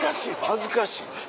恥ずかしい。